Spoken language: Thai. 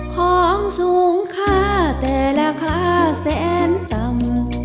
ของสูงค่าแต่ราคาแสนต่ำ